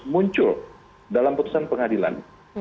muncul dalam putusan pengadilan